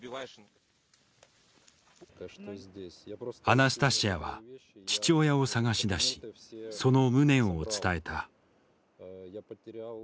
アナスタシヤは父親を捜し出しその無念を伝えた。